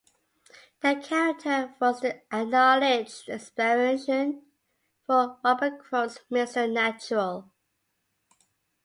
The character was the acknowledged inspiration for Robert Crumb's Mr. Natural.